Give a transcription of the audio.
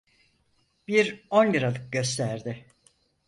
Bir on liralık gösterdi.